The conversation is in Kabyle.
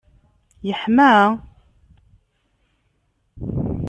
yeḥma?